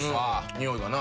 においがな。